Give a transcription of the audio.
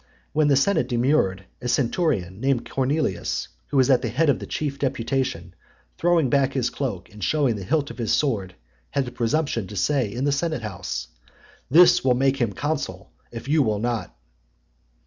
When the senate demurred, (89) a centurion, named Cornelius, who was at the head of the chief deputation, throwing back his cloak, and shewing the hilt of his sword, had the presumption to say in the senate house, "This will make him consul, if ye will not."